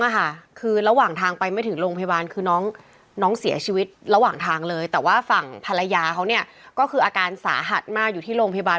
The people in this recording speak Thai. หลวงทางเลยแต่ว่าฝั่งภรรยาเขาเนี่ยก็คืออาการสาหัสมาอยู่ที่โรงพยาบาล